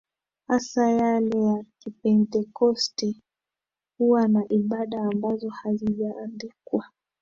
hasa yale ya Kipentekoste huwa na ibada ambazo hazijaandikwa